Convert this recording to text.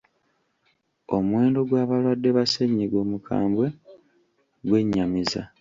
Omuwendo gw'abalwadde ba ssennyiga omukambwe gwe nnyamiza.